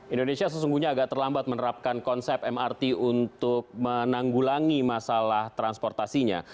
indonesia sesungguhnya agak terlambat menerapkan konsep mrt untuk menanggulangi masalah transportasinya